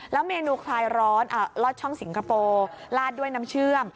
เมนูคลายร้อนลอดช่องสิงคโปร์ลาดด้วยน้ำเชื่อม